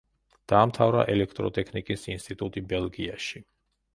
დაამთავრა ელექტროტექნიკის ინსტიტუტი ბელგიაში.